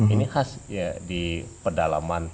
ini khas di pedalaman